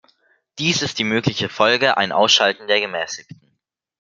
Dies ist die mögliche Folge, ein Ausschalten der Gemäßigten.